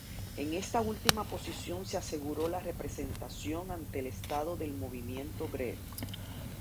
En esta última posición se aseguró la representación ante el Estado del movimiento obrero.